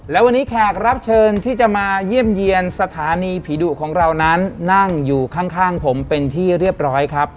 และวันนี้แขกรับเชิญที่จะมาเยี่ยมเยี่ยมสถานีผีดุของเรานั้นนั่งอยู่ข้างผมเป็นที่เรียบร้อยครับ